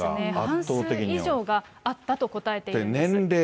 半数以上があったと答えています。